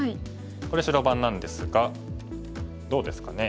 ここで白番なんですがどうですかね。